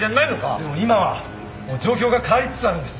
でも今はもう状況が変わりつつあるんです。